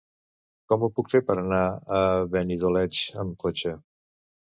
Com ho puc fer per anar a Benidoleig amb cotxe?